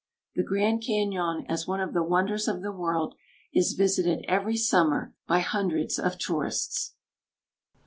The Grand Cañon, as one of the wonders of the world, is visited every summer by hundreds of tourists. OPTIMUS.